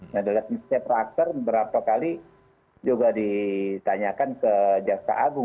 nah dalam istilah prakser beberapa kali juga ditanyakan ke jasa agung